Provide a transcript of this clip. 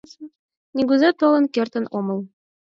Нигузе толын кертын омыл.